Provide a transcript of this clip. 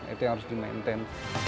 itu yang harus di maintain